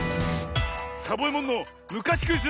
サボえもんのむかしクイズ